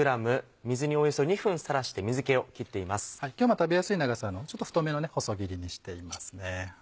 今日は食べやすい長さの太めの細切りにしていますね。